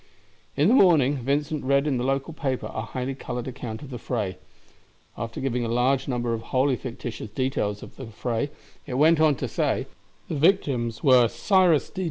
In the morning Vincent read in the local paper a highly colored account of the fray. After giving a large number of wholly fictitious details of the fray, it went on to say: "The victims were Cyrus D.